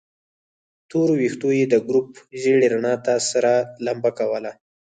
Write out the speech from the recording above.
تورو ويښتو يې د ګروپ ژېړې رڼا ته سره لمبه کوله.